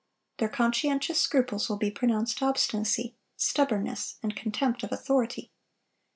Their conscientious scruples will be pronounced obstinacy, stubbornness, and contempt of authority.